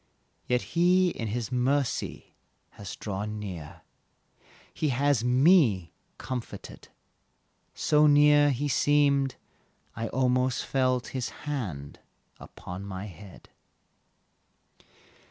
Yet He in mercy has drawn near, He has me comforted So near He seemed I almost felt His hand upon my head.